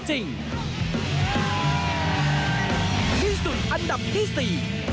ที่สุดอันดับที่๔